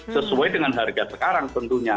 sesuai dengan harga sekarang tentunya